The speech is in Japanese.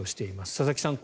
佐々木さん